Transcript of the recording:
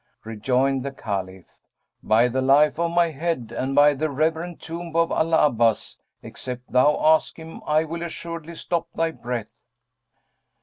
Rejoined the Caliph, "By the life of my head and by the revered tomb of Al Abbas,[FN#195] except thou ask him, I will assuredly stop thy breath!"